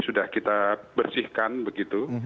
sudah kita bersihkan begitu